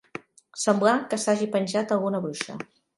Semblar que s'hagi penjat alguna bruixa.